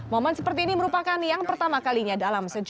momen seperti ini merupakan yang pertama kalinya dalam sejarah